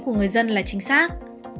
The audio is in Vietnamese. của người dân là chính xác